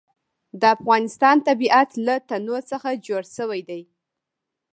د افغانستان طبیعت له تنوع څخه جوړ شوی دی.